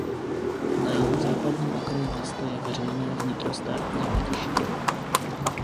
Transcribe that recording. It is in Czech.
Na jihozápadním okraji města je veřejné vnitrostátní letiště.